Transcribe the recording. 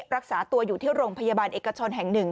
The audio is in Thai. รักษาตัวอยู่ที่โรงพยาบาลเอกชนแห่ง๑